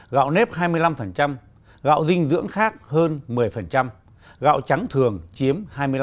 gạo nếp hai mươi năm gạo dinh dưỡng khác hơn một mươi gạo trắng thường chiếm hai mươi năm